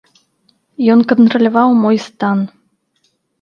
Ён кантраляваў мой стан.